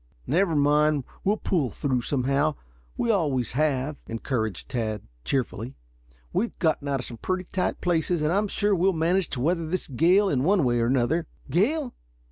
"Never mind; we'll pull through somehow. We always have," encouraged Tad cheerfully. "We've gotten out of some pretty tight places, and I am sure we'll manage to weather this gale in one way or another." "Gale?